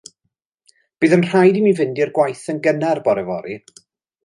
Bydd yn rhaid i mi fynd i'r gwaith yn gynnar bore fory.